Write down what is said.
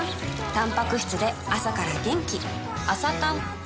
たんぱく質で朝から元気